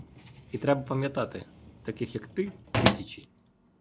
І треба пам'ятати — таких, як ти, — тисячі!